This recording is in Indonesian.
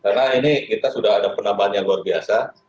karena ini kita sudah ada penambahan yang luar biasa